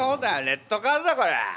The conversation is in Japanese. レッドカードだよこれ。